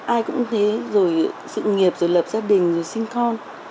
ai cũng thế rồi sự nghiệp rồi lập gia đình rồi sinh con